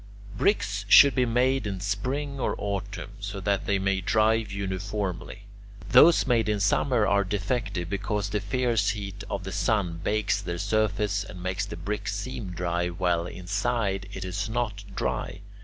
Bricks should be made in Spring or Autumn, so that they may dry uniformly. Those made in Summer are defective, because the fierce heat of the sun bakes their surface and makes the brick seem dry while inside it is not dry.